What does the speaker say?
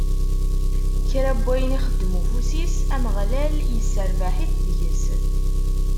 Kra n wayen ixeddem ufus-is, Ameɣlal isserbaḥ-it deg-s.